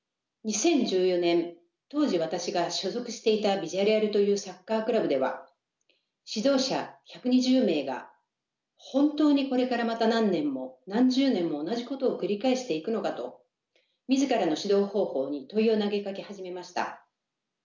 ２０１４年当時私が所属していたビジャレアルというサッカークラブでは指導者１２０名が本当にこれからまた何年も何十年も同じことを繰り返していくのかと自らの指導方法に問いを投げかけ始めました。